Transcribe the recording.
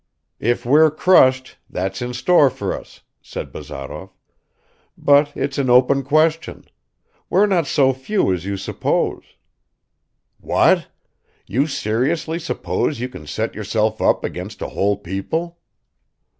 "If we're crushed, that's in store for us," said Bazarov. "But it's an open question. We're not so few as you suppose." "What? You seriously suppose you can set yourself up against a whole people?"